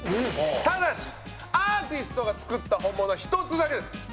ただしアーティストが作った本物は１つだけです。